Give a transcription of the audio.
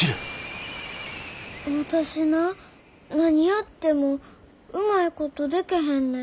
私な何やってもうまいことでけへんねん。